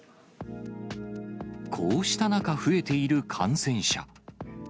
こうした中、増えている感染者。